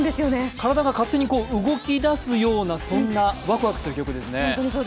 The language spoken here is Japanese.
体が勝手に動き出すようなそんなワクワクする曲ですね。